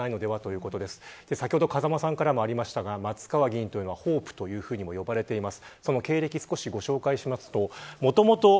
先ほど、風間さんからもありましたが松川議員はホープと呼ばれています。